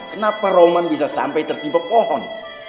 kenapa roman bisa sampai tertimpa pohon